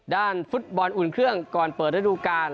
ด้านฟุตบอลอุ่นเครื่องก่อนเปิดระดูการ